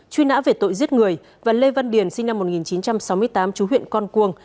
truy nã về tội giết người và lê văn điền sinh năm một nghìn chín trăm sáu mươi tám chú huyện con cuông